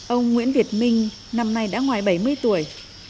ông nguyễn việt minh năm nay đã ngoài bảy mươi tuổi